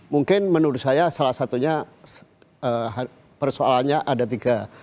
mungkin menurut saya salah satunya persoalannya ada tiga